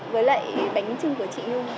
với lại bánh trưng của chị nhung